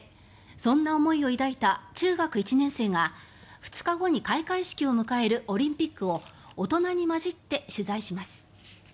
そんな思いを抱いた中学１年生が２日後に開会式を迎えるオリンピックを大人に交じって取材します。